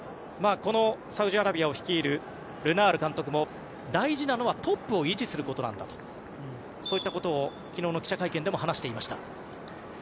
サウジアラビアを率いるルナール監督も大事なのはトップを維持することなんだとそういったことを昨日の記者会見でも話していました。